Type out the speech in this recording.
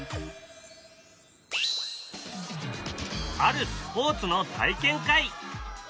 あるスポーツの体験会。